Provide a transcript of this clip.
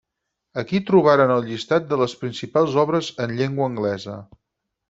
Aquí trobarem el llistat de les principals obres en llengua anglesa.